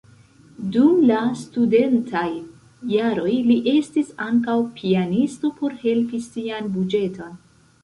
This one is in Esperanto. Dum la studentaj jaroj li estis ankaŭ pianisto por helpi sian buĝeton.